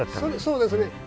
そうですね。